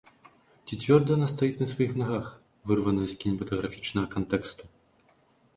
Ці цвёрда яна стаіць на сваіх нагах, вырваная з кінематаграфічнага кантэксту?